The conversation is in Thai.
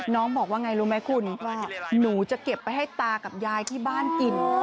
บอกว่าไงรู้ไหมคุณว่าหนูจะเก็บไปให้ตากับยายที่บ้านกิน